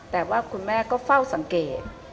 แต่ว่าคุณแม่ก็เฝ้าสังเกต